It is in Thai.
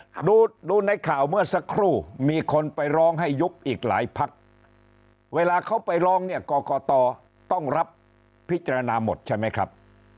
ดูดูในข่าวเมื่อสักครู่มีคนไปร้องให้ยุบอีกหลายพักเวลาเขาไปร้องเนี่ยกรกตต้องรับพิจารณาหมดใช่ไหมครับ